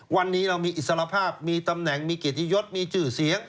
วันนี้เรามีอิสรภาพมีตำแหน่งมีเกียรติยศมีชื่อเสียง